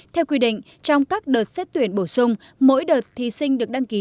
theo quy định trong các đợt xét tuyển bổ sung mỗi đợt thí sinh được đăng ký